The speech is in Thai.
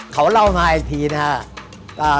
เขาเล่ามาไอทีนะครับ